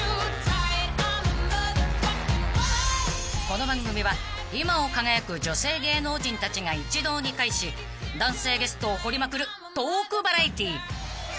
［この番組は今を輝く女性芸能人たちが一堂に会し男性ゲストを掘りまくるトークバラエティー］